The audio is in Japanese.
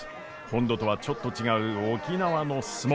本土とはちょっと違う沖縄の角力。